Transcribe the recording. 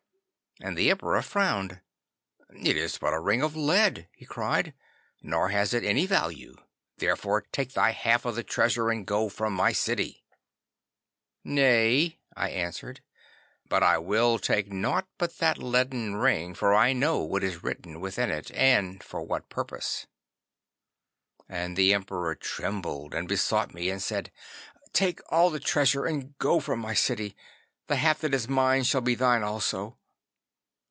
'And the Emperor frowned. "It is but a ring of lead," he cried, "nor has it any value. Therefore take thy half of the treasure and go from my city." '"Nay," I answered, "but I will take nought but that leaden ring, for I know what is written within it, and for what purpose." 'And the Emperor trembled, and besought me and said, "Take all the treasure and go from my city. The half that is mine shall be thine also."